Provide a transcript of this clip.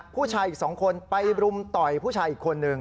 ผู้ชายอีก๒คนไปรุมต่อยผู้ชายอีกคนนึง